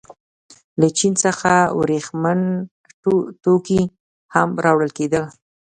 له چین څخه ورېښم توکي هم راوړل کېدل.